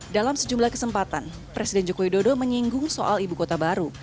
dalam sejumlah kesempatan presiden joko widodo menyinggung soal ibu kota baru